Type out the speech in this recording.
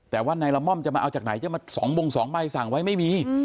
แต่ว่านายละม่อมจะมาเอาจากไหนจะมา๒บง๒ใบสั่งไว้ไม่มี